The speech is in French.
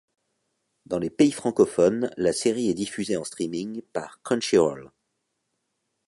Dans les pays francophones, la série est diffusée en streaming par Crunchyroll.